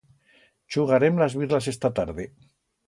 Chugarem las birlas esta tarde.